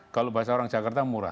kalau bahasa orang jakarta murah